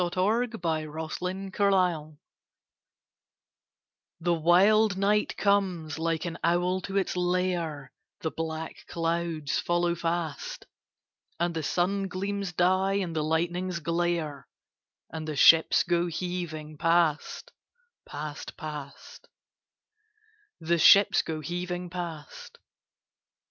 God Help Our Men at Sea The wild night comes like an owl to its lair, The black clouds follow fast, And the sun gleams die, and the lightnings glare, And the ships go heaving past, past, past The ships go heaving past!